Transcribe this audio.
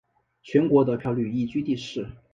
全国得票率亦居第四。